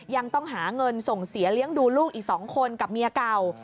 ยังต้องหาเงินส่งเสียเลี้ยงดูลูกอีก๒คนกับเมียเก่า